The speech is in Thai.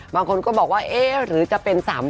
บางคนก็บอกว่าเอ๊ะหรือจะเป็น๓๐